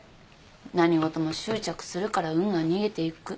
何事も執着するから運が逃げていく。